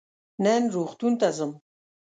نن روغتون ته ځم.